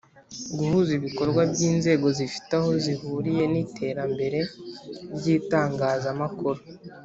Guhuza ibikorwa by inzego zifite aho zihuriye n iterambere ry itangazamakuru